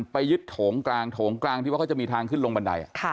ไปยึดโถงกลางโถงกลางที่ว่าเขาจะมีทางขึ้นลงบันได